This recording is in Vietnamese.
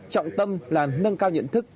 trọng tâm là nâng cao nhận thức